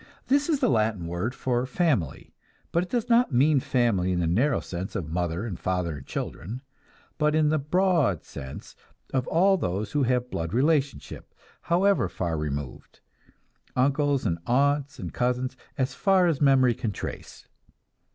This is the Latin word for family, but it does not mean family in the narrow sense of mother and father and children, but in the broad sense of all those who have blood relationship, however far removed uncles and aunts and cousins, as far as memory can trace.